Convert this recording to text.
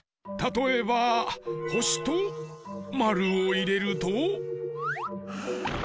たとえばほしとまるをいれると。